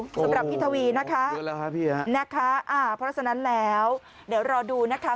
สำหรับพี่ทวีนะคะอ่าเพราะฉะนั้นแล้วเดี๋ยวรอดูนะคะ